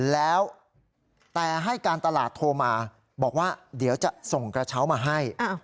แล้วแต่ให้การตลาดโทรมาบอกว่าเดี๋ยวจะส่งกระเช้ามาให้